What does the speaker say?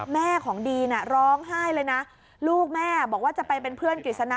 แม่ของดีนร้องไห้เลยนะลูกแม่บอกว่าจะไปเป็นเพื่อนกฤษณะ